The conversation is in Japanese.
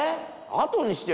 あとにしてよ